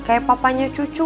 kayak papanya cucu